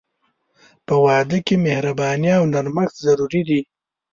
په واده کې مهرباني او نرمښت ضروري دي.